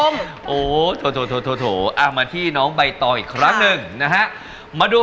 มอดอยู่กับไซมอนเทอร์มาก